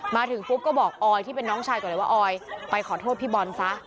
มาถึงปุ๊บก็บอกออยที่เป็นน้องชายก่อนเลยว่าออยไปขอโทษพี่บอลซะ